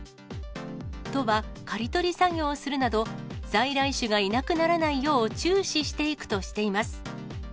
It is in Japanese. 都は刈り取り作業をするなど、在来種がいなくならないよう注視していくとしています。